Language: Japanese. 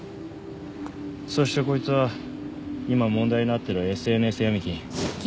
そしてこいつは今問題になってるＳＮＳヤミ金。